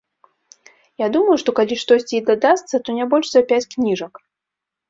Я думаю, што калі штосьці і дадасца, то не больш за пяць кніжак.